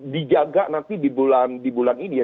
dijaga nanti di bulan ini ya